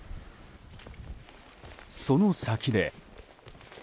その先で。